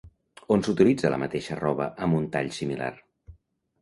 On s'utilitza la mateixa roba amb un tall similar?